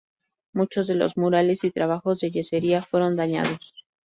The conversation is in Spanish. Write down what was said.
Muchos de los murales y trabajos de yesería fueron dañados.